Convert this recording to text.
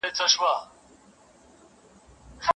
او په دې جمله کي مي د نونسمي پېړۍ د نیمایي